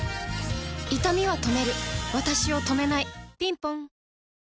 いたみは止めるわたしを止めないぴんぽん